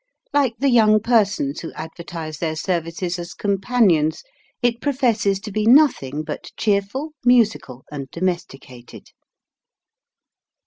Like the young persons who advertise their services as "companions," it professes to be nothing but "cheer ful, musical, and domesticated."